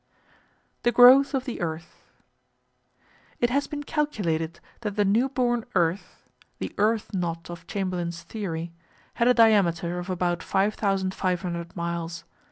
The Growth of the Earth It has been calculated that the newborn earth the "earth knot" of Chamberlin's theory had a diameter of about 5,500 miles.